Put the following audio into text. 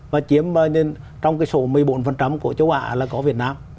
và chiếm trong cái số một mươi bốn của châu á là có việt nam